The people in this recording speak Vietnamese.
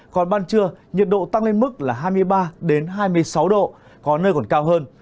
còn ban trưa nhiệt độ tăng lên mức là hai mươi ba hai mươi sáu độ có nơi còn cao hơn